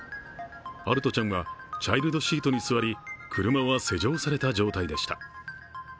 陽翔ちゃんはチャイルドシートに座り車は施錠された状態でした。